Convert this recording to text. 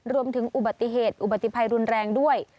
รวมถึงอุบัติเหตุอุบัติภัยรุนแรงด้วย